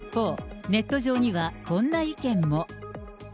一方、ネット上にはこんな意見も。